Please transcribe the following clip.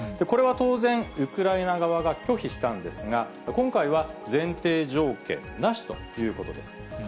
これは当然、ウクライナ側が拒否したんですが、今回は前提条件なしということです。